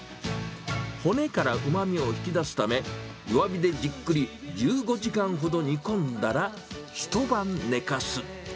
骨からうまみを引き出すため、弱火でじっくり１５時間ほど煮込んだら、一晩寝かす。